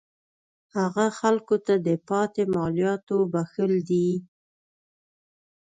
هغه خلکو ته د پاتې مالیاتو بخښل دي.